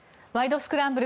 スクランブル」